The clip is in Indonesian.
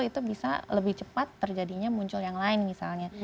itu bisa lebih cepat terjadinya muncul yang lain misalnya